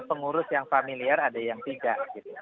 pengurus yang familiar ada yang tidak